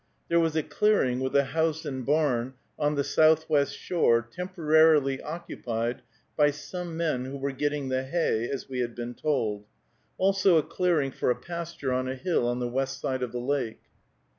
There was a clearing, with a house and barn, on the southwest shore, temporarily occupied by some men who were getting the hay, as we had been told; also a clearing for a pasture on a hill on the west side of the lake.